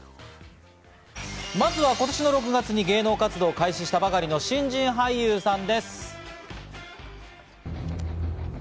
まずは今年６月に芸能活動を開始したばかりの新人俳優さんです。